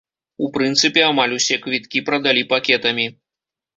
У прынцыпе, амаль усе квіткі прадалі пакетамі.